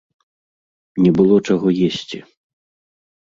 Не было чаго есці.